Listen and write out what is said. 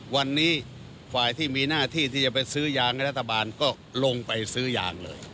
วันนี้ฝ่ายที่มีหน้าที่ที่จะไปซื้อยางให้รัฐบาลก็ลงไปซื้อยางเลย